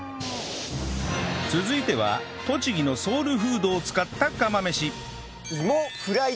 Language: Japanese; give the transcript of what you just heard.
続いては栃木のソウルフードを使った釜飯何？